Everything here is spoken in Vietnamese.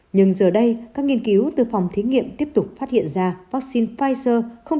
nhưng giờ đây các nghiên cứu từ phòng thí nghiệm tiếp tục phát hiện ra vaccine pfizer